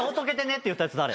って言ったやつ誰？